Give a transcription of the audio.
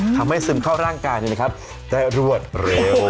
ทำให้ซึมเข้าร่างกายได้นะครับแต่รวดเร็ว